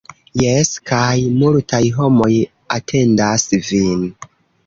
- Jes kaj multaj homoj atendas vin